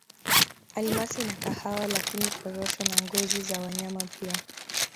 Almasi na kahawa lakini Korosho na ngozi za wanyama pia